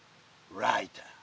ライター。